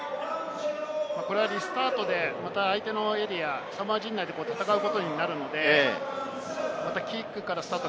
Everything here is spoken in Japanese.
これはリスタートでまた相手のエリア、サモア陣内で戦うことになるので、またキックからスタート。